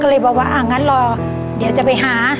ก็เลยบอกว่าอ้ะอย่างนั้นเราเดียวจะไปหา